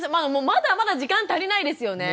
まだまだ時間足りないですよね。